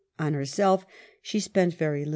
On herself she spent very little.